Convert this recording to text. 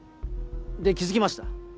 で気付きました。